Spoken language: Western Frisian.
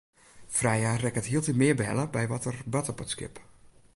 Freya rekket hieltyd mear behelle by wat der bart op it skip.